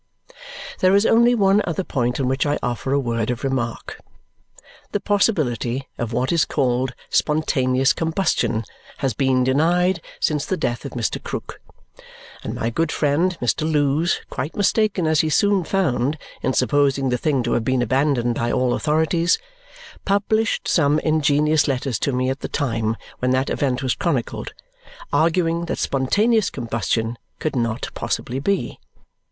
There is only one other point on which I offer a word of remark. The possibility of what is called spontaneous combustion has been denied since the death of Mr. Krook; and my good friend Mr. Lewes (quite mistaken, as he soon found, in supposing the thing to have been abandoned by all authorities) published some ingenious letters to me at the time when that event was chronicled, arguing that spontaneous combustion could not possibly be.